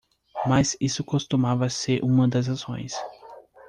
Mas isso costumava ser uma das ações.